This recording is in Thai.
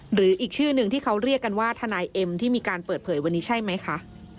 หรืออีกชื่อหนึ่งที่เขาเรียกกันว่าทนายเอ็มที่มีการเปิดเผยวันนี้ใช่ไหมคะ